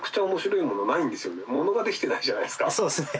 そうですね。